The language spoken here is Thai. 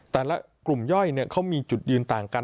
แต่ละกลุ่มย่อยเขามีจุดยืนต่างกัน